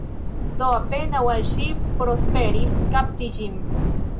Do apenaŭ al ŝi prosperis kapti ĝin.